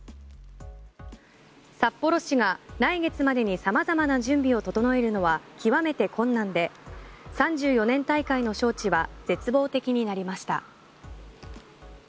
札幌市が来月までに様々な準備を整えるのは極めて困難で３４年大会の招致は絶望的になりました。